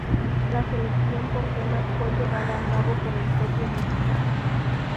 La selección de temas fue llevada a cabo por el propio músico.